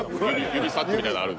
指サックみたいなんがある。